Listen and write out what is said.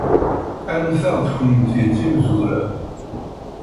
Rremt-aɣ-d kennemti d timezwura.